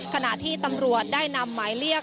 ขณะที่ตำรวจได้นำหมายเรียก